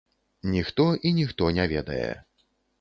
Ніхто і ніхто не ведае.